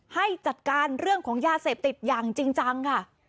ให้จัดการเรื่องของยาเสพติดอย่างจริงจังค่ะ